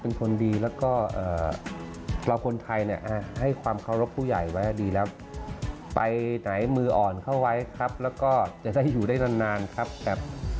เป็นคนดีแล้วก็เราคนไทยเนี่ยให้ความเคารพผู้ใหญ่ไว้ดีแล้วไปไหนมืออ่อนเข้าไว้ครับแล้วก็จะได้อยู่ได้นานครับครับ